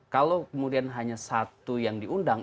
kalau kemudian hanya satu yang diundang